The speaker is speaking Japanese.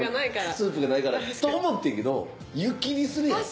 スープがないから。と思ってんけど湯切りするやん。